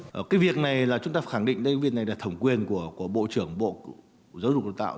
và cái việc này là chúng ta khẳng định đây việc này là thẩm quyền của bộ trưởng bộ giáo dục đào tạo